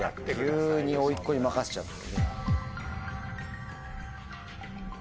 急においっ子に任せちゃって。